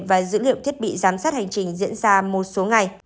và dữ liệu thiết bị giám sát hành trình diễn ra một số ngày